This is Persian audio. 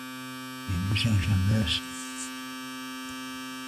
امروز چندشنبه است؟